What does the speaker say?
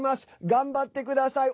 頑張ってください。